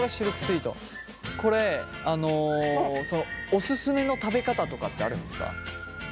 これオススメの食べ方とかってあるんですか？